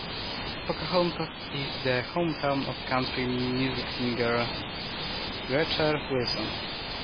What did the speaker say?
Pocahontas is the hometown of country music singer Gretchen Wilson.